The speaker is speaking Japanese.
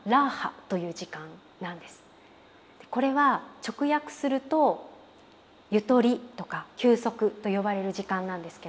これは直訳するとゆとりとか休息と呼ばれる時間なんですけど。